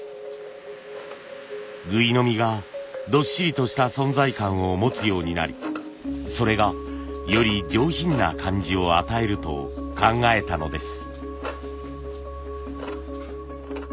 ぐい飲みがどっしりとした存在感を持つようになりそれがより上品な感じを与えると考えたのです。